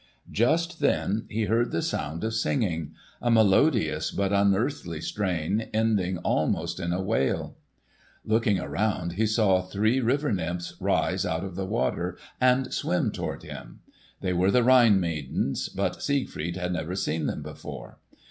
Just then he heard the sound of singing—a melodious but unearthly strain ending almost in a wail. Looking around, he saw three river nymphs rise out of the water and swim toward him. They were the Rhine maidens, but Siegfried had never seen them before.